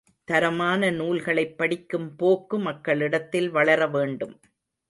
தரமான நூல்களைப் படிக்கும் போக்கு மக்களிடத்தில் வளர வேண்டும்.